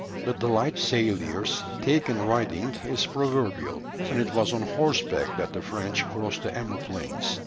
The delight sailors take in riding is proverbial, and it was on horseback that the French crossed the Emu plains.